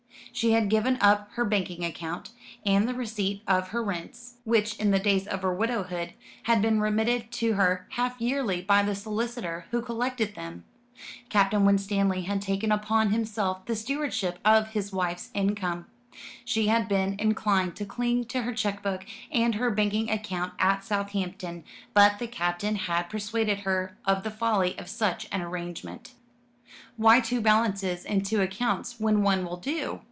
She had given up her banking account, and the receipt of her rents, which in the days of her widowhood had been remitted to her half yearly by the solicitor who collected them. Captain Winstanley had taken upon himself the stewardship of his wife's income. She had been inclined to cling to her cheque book and her banking account at Southampton; but the Captain had persuaded her of the folly of such an arrangement. "Why two balances and two accounts, when one will do?"